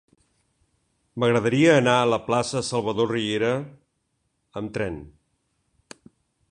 M'agradaria anar a la plaça de Salvador Riera amb tren.